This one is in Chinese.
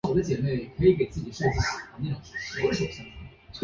棚仓町是位于福岛县东白川郡的一町。